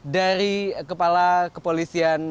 dari kepala kepolisian